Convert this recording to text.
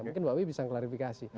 mungkin mbak wiwi bisa klarifikasi